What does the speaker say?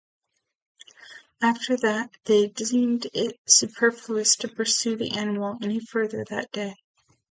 After that, they deemed it superfluous to pursue the animal any further that day.